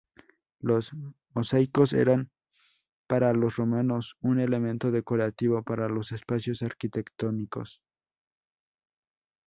Los mosaicos eran para los romanos un elemento decorativo para los espacios arquitectónicos.